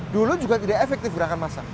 dulu juga tidak efektif gerakan masak